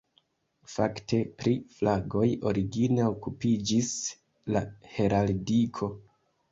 Fakte pri flagoj origine okupiĝis la heraldiko.